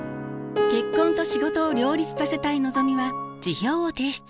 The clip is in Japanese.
結婚と仕事を両立させたいのぞみは辞表を提出。